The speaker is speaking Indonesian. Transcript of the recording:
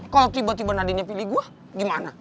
kalau tiba tiba nadine pilih gue gimana